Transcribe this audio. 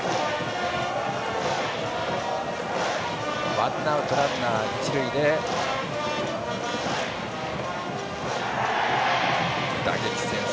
ワンアウトランナー、一塁で打撃センス